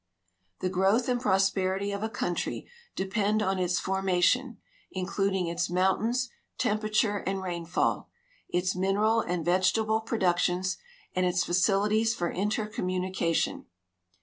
The growth and prosperity of a country depend on its forma tion, including its mountains, temperature, and rainfall, its mineral and vegetable productions, and its facilities for inter communication.